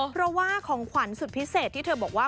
เพราะว่าของขวัญสุดพิเศษที่เธอบอกว่า